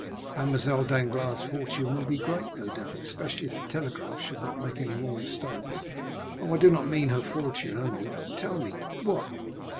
"Mademoiselle Danglars' fortune will be great, no doubt, especially if the telegraph should not make any more mistakes." "Oh, I do not mean her fortune only; but tell me——" "What?"